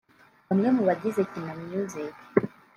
bamwe mu bagize Kina Music